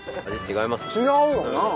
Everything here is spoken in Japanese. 違うよな。